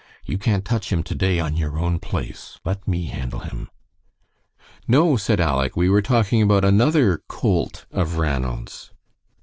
You can't touch him to day, on your own place. Let me handle him." "No," said Aleck. "We were talking about another colt of Ranald's."